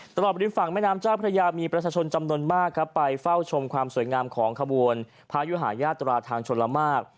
บริมฝั่งแม่น้ำเจ้าพระยามีประชาชนจำนวนมากครับไปเฝ้าชมความสวยงามของขบวนพายุหายาตราทางชนละมาก